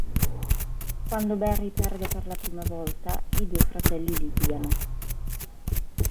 Quando Barry perde per la prima volta, i due fratelli litigano.